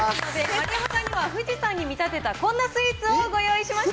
丸山さんには、富士山に見立てたこんなスイーツをご用意しました。